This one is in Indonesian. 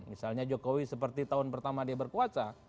misalnya jokowi seperti tahun pertama dia berkuasa